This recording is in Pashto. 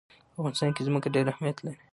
په افغانستان کې ځمکه ډېر اهمیت لري.